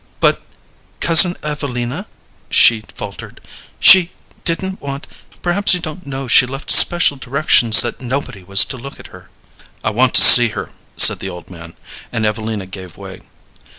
"But Cousin Evelina," she faltered "she didn't want Perhaps you don't know: she left special directions that nobody was to look at her." "I want to see her," said the old man, and Evelina gave way.